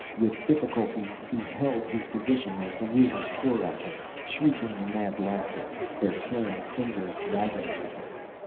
With difficulty he held his position as the winds tore at him, shrieking in mad laughter, their tearing fingers dragging at him.